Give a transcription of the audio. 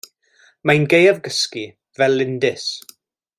Mae'n gaeafgysgu fel lindys.